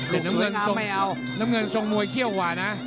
ลูกสวยงามไม่เอาน้ำเงินทรงมวยเขี้ยวกว่านะ